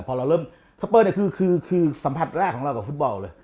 พอเราเริ่มสเปอร์เนี่ยคือสัมผัสแรกของเรากับฟุตบอลเลย